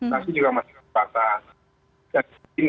vaksin juga masih terbatas